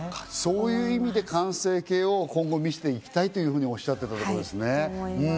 そういう意味で完成形を今後、見せていきたいとおっしゃっていたということですね。